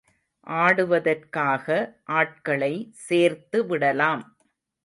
ஆடுவதற்காக ஆட்களை சேர்த்து விடலாம்.